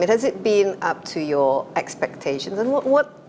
apakah itu mencapai kehargian anda